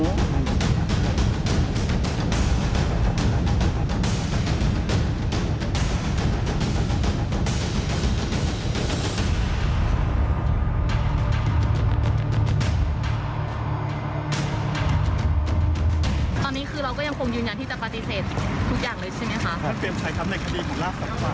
ตอนนี้คือเราก็ยังคงยืนยันที่จะปฏิเสธทุกอย่างเลยใช่ไหมคะ